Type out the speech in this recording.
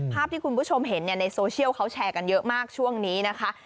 ภาพที่คุณผู้ชมเห็นในโซเชียลเขาแชร์กันเยอะมากช่วงนี้นะคะ